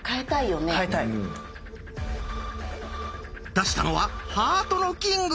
出したのは「ハートのキング」！